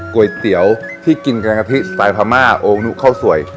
ก๋วยเตี๋ยวที่กินแกงกะทิสไตล์พม่าโอนุข้าวสวย